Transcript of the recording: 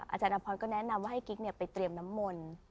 อาจารย์อพรก็แนะนำว่าให้กิ๊กไปเตรียมน้ำมนต์